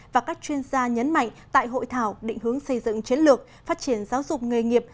và các chuyên gia nhấn mạnh tại hội thảo định hướng xây dựng chiến lược phát triển giáo dục nghề nghiệp